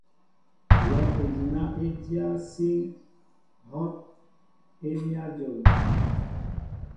Yɔʼejina e dyá síŋ hɔʼ e mέa jom.